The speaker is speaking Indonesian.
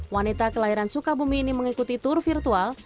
wanita kelahiran sukabumi ini mengikuti tur virtual